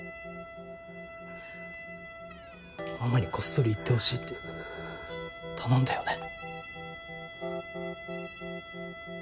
ママにこっそり言ってほしいって頼んだよね。